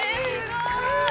すごい。